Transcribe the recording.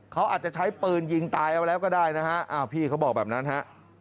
เขาอาจจะใช้ปืนยิงตายเอาแล้วก็ได้นะฮะอ้าวพี่เขาบอกแบบนั้นฮะ